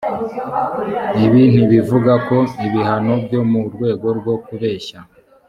ibi ntibivugako ibihano byo mu rwego rwo kubeshya